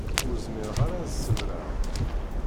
Ur zmireɣ ara ad ṣebṛeɣ.